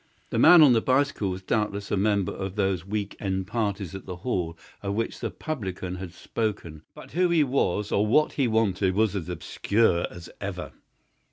The man on the bicycle was doubtless a member of those week end parties at the Hall of which the publican had spoken; but who he was or what he wanted was as obscure as ever.